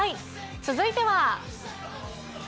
続いては。